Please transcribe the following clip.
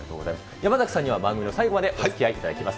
山崎さんには番組の最後までおつきあいいただきます。